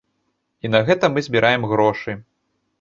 І на гэта мы збіраем грошы.